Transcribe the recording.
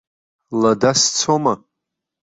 Лада сцома?